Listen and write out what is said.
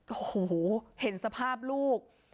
โอ้โหเห็นสภาพลูก